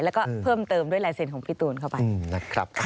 แล้วก็เพิ่มเติมด้วยลายเซ็นต์ของพี่ตูนเข้าไปนะครับ